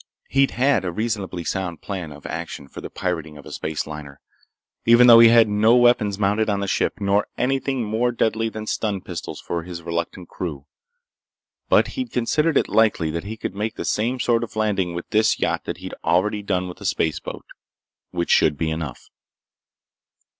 He'd had a reasonably sound plan of action for the pirating of a space liner, even though he had no weapons mounted on the ship nor anything more deadly than stun pistols for his reluctant crew. But he considered it likely that he could make the same sort of landing with this yacht that he'd already done with the spaceboat. Which should be enough.